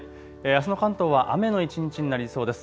あすの関東は雨の一日になりそうです。